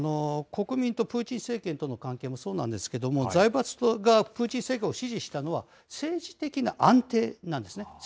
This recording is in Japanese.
国民とプーチン政権との関係もそうなんですけれども、財閥がプーチン政権を支持したのは、政治的な安定なんですね。